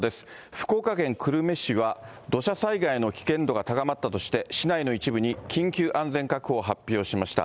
福岡県久留米市は、土砂災害の危険度が高まったとして、市内の一部に緊急安全確保を発表しました。